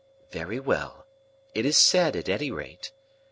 Very well. It is said, at any rate.